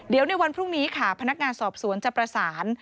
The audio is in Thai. เดี๋ยวในวันพรุ่งนี้ค่ะพนักงานสอบสวนจะประสาน